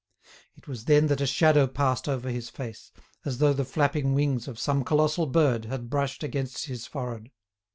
It was then that a shadow passed over his face, as though the flapping wings of some colossal bird had brushed against his forehead.